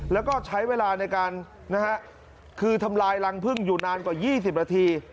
แล้วก็ใช้เวลาในการคือทำลายรังพึ่งอยู่นานกว่า๒๐นาที